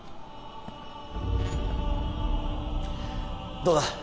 どうだ？